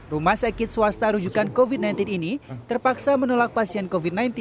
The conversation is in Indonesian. rumah sakit swasta rujukan covid sembilan belas ini terpaksa menolak pasien covid sembilan belas